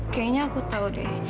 kayaknya aku tahu